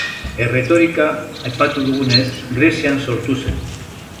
Erretorika, aipatu dugunez, Grezian sortu zen.